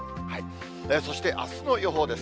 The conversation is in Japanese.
そしてあすの予報です。